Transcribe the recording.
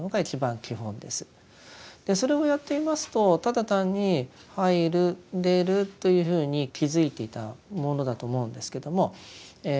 それをやっていますとただ単に入る出るというふうに気付いていたものだと思うんですけどもある瞬間にですね